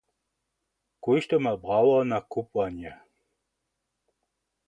Kóždy ma prawo na kubłanje.